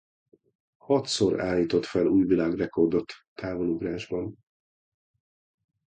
Hatszor állított fel új világrekordot távolugrásban.